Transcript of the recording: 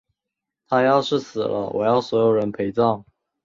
她要是死了，我要所有人陪葬！